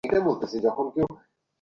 সাজ্জাদ না থাকলে?